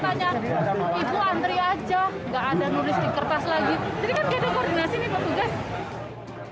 itu antri aja tidak ada nulis di kertas lagi jadi kan tidak ada koordinasi nih pak tugas